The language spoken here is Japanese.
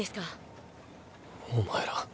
お前ら。